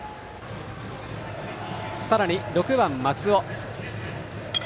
さらに６番、松尾。